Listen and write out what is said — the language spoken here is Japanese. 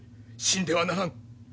死んではならん。